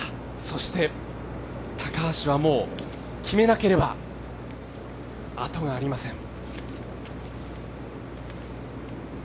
そして、高橋はもう決めなければあとがありません。